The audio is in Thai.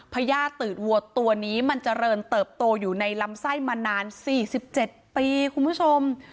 พญาติตืดวัวตัวนี้มันเจริญเติบโตอยู่ในลำไส้มานาน๔๗ปีคุณผู้ชม